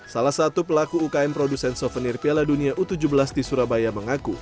salah satu pelaku ukm produsen souvenir piala dunia u tujuh belas di surabaya mengaku